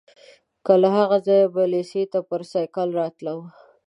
له هغه ځایه به لېسې ته پر سایکل راتلم.